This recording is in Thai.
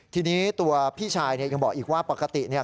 ทีนี้ตัวพี่ชายเนี่ยยังบอกอีกว่าปกติเนี่ย